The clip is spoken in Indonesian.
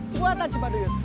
coba tahan cepat dulu